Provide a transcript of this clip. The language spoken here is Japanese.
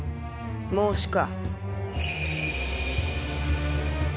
孟子か。